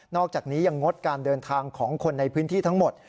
อกจากนี้ยังงดการเดินทางของคนในพื้นที่ทั้งหมด